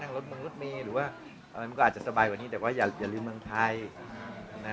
นั่งรถมองรถมีหรือว่ามันก็อาจจะสบายกว่านี้แต่ว่าอย่าลืมเมืองไทยนะฮะ